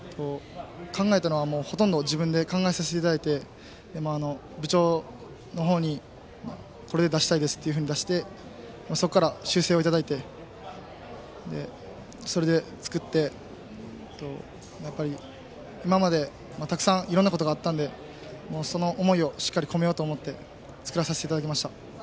考えたのは、ほとんど自分で考えさせていただいて部長の方に、これで出したいというふうに出してそこから修正をいただいてそれで作って、今までたくさんいろんなことがあったのでその思いをしっかり込めようと思って作らさせていただきました。